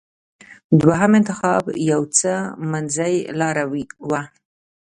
دوهم انتخاب یو څه منځۍ لاره وه.